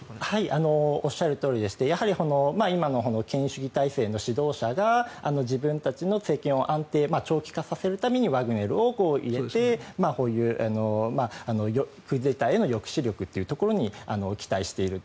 おっしゃるとおりでして今の権威主義体制の指導者が自分たちの政権を安定長期化させるためにワグネルを入れてクーデターへの抑止力というところに期待している。